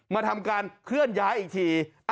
มาทำการเคลื่อนย้ายอีกที